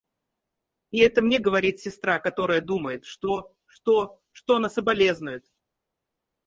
И это мне говорит сестра, которая думает, что... что... что она соболезнует!..